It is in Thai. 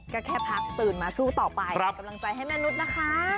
ก็แค่พักตื่นมาสู้ต่อไปเป็นกำลังใจให้แม่นุษย์นะคะ